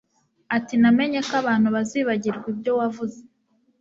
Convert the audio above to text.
ati namenye ko abantu bazibagirwa ibyo wavuze